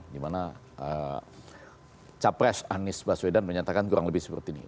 dimana capres anies baswedan menyatakan kurang lebih seperti ini